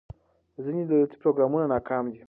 ځینې دولتي پروګرامونه ناکام دي.